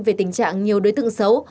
về tình trạng nhiều đối tượng xấu